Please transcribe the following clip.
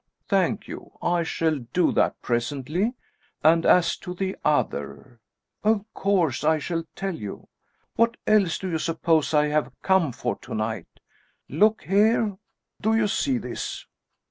"Thank you! I shall do that presently; and as to the other of course I shall tell you; what else do you suppose I have come for to night? Look here! Do you see this?"